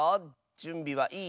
じゅんびはいい？